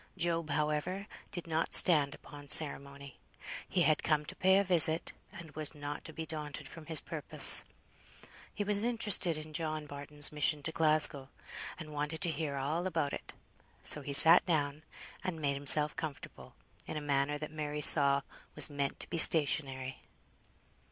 Job, however, did not stand upon ceremony. He had come to pay a visit, and was not to be daunted from his purpose. He was interested in John Barton's mission to Glasgow, and wanted to hear all about it; so he sat down, and made himself comfortable, in a manner that Mary saw was meant to be stationary.